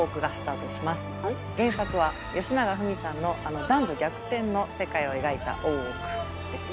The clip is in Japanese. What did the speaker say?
原作はよしながふみさんのあの男女逆転の世界を描いた大奥です。